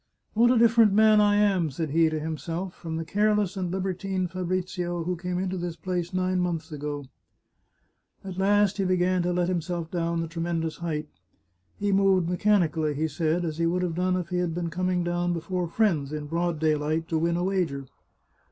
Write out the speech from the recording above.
" What a different man I am," said he to himself, " from the careless and libertine Fabrizio who came into this place nine months ago !" At last he began to let himself down the tremendous height. He moved me chanically, he said, as he would have done if he had been coming down before friends, in broad daylight, to win a wager.